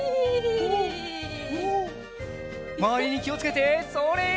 まわりにきをつけてそれ！